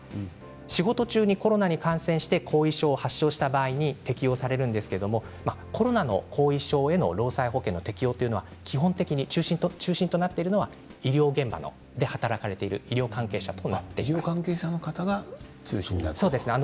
仕事中にコロナに感染して後遺症を発症した場合に適用されるんですがコロナの後遺症への労災保険の適用というのが基本的に中心となっているのは医療現場で働かれている医療関係者の方が中心なんですね。